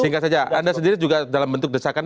singkat saja anda sendiri juga dalam bentuk desakan